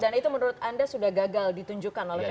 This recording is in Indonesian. dan itu menurut anda sudah gagal ditunjukkan oleh psi